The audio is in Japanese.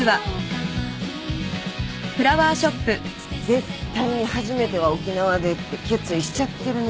絶対に初めては沖縄でって決意しちゃってるね